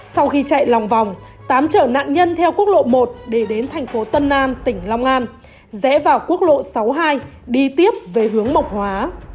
sau khi chạy lòng vòng tám trở nạn nhân theo quốc lộ một để đến thành phố tân an tỉnh long an rẽ vào quốc lộ sáu mươi hai đi tiếp về hướng mộc hóa